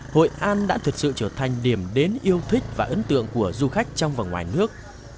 hội an đã thực sự trở thành điểm đến yêu thích và ấn tượng của du khách trong và ngoài nước